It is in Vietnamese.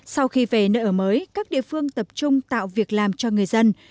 sau khi về nơi ở mới các địa phương tập trung tạo việc làm cho người dân